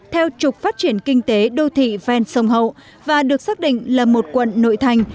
theo trục phát triển kinh tế đô thị ven sông hậu và được xác định là một quận nội thành